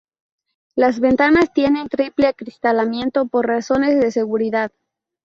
Las ventanas tienen triple acristalamiento por razones de seguridad.